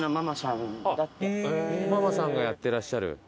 ママさんがやってらっしゃる。